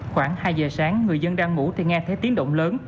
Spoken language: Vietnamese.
khoảng hai giờ sáng người dân đang ngủ thì nghe thấy tiếng động lớn